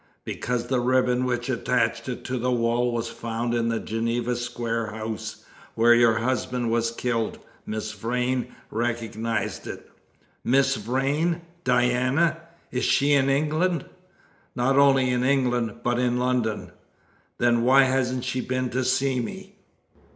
"Because the ribbon which attached it to the wall was found in the Geneva Square house, where your husband was killed. Miss Vrain recognised it." "Miss Vrain Diana! Is she in England?" "Not only in England, but in London." "Then why hasn't she been to see me?"